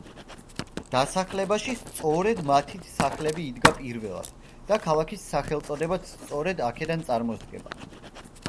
დასახლებაში სწორედ მათი სახლები იდგა პირველად და ქალაქის სახელწოდებაც სწორედ აქედან წარმოსდგება.